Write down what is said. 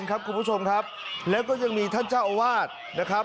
ออกมานะครับ